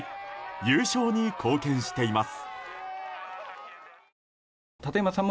優勝に貢献しています。